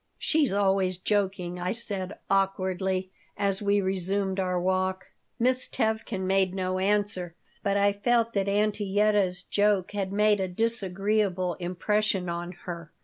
"She's always joking," I said, awkwardly, as we resumed our walk Miss Tevkin made no answer, but I felt that Auntie Yetta's joke had made a disagreeable impression on her.